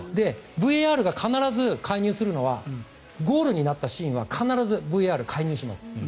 ＶＡＲが必ず介入するのはゴールになったシーンは必ずＶＡＲ介入します。